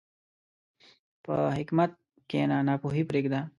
په حکمت کښېنه، ناپوهي پرېږده.